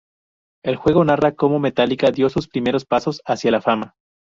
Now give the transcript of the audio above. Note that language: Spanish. El juego narra cómo Metallica dio sus primeros pasos hacia la fama.